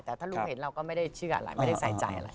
แต่ถ้าลูกเห็นเราก็ไม่ได้เชื่อแหละไม่ได้ใส่ใจอะไร